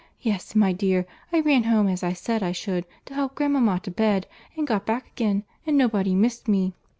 —Yes, my dear, I ran home, as I said I should, to help grandmama to bed, and got back again, and nobody missed me.